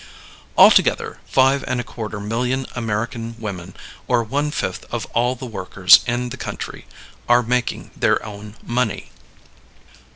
Altogether five and a quarter million American women or one fifth of all the workers in the country are making their own money.